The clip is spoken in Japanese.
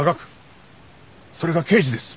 それが刑事です。